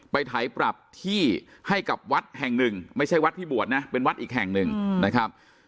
ไถปรับที่ให้กับวัดแห่งหนึ่งไม่ใช่วัดที่บวชนะเป็นวัดอีกแห่งหนึ่งนะครับ